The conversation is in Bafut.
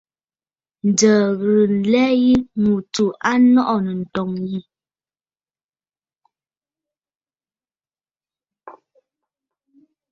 Ǹjə̀ə̀ ghɨ̀rə nlɛ yi ŋù tsù a nɔʼɔ̀ nɨ̂ ǹtɔ̀ŋə̂ yi.